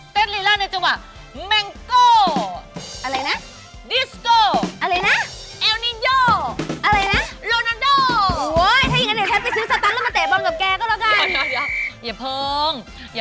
เด้นรีลาในจังหวะ